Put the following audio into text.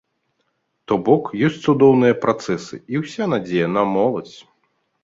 То бок, ёсць цудоўныя працэсы, і ўся надзея на моладзь!